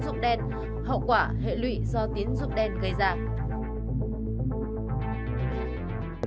hậu quả hệ lụy do tín dụng đen gây ra